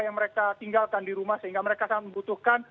yang mereka tinggalkan di rumah sehingga mereka sangat membutuhkan